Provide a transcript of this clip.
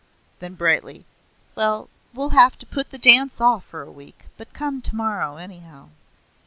Then brightly; "Well, we'll have to put the dance off for a week, but come tomorrow anyhow."